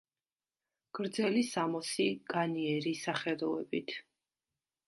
გრძელი სამოსი, განიერი სახელოებით.